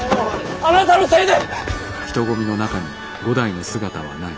あなたのせいで。